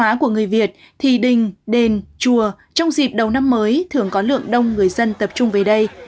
văn hóa của người việt thì đình đền chùa trong dịp đầu năm mới thường có lượng đông người dân tập trung về đây